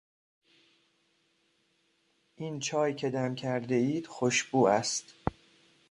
این چای که دم کردهاید خوشبو است.